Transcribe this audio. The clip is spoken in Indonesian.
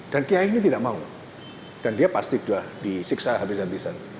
dan kiai ini tidak mau dan dia pasti sudah disiksa habis habisan